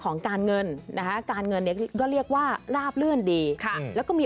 ของการเงินนะคะการเงินเนี่ยก็เรียกว่าราบลื่นดีค่ะแล้วก็มี